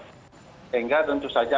sehingga tentu saja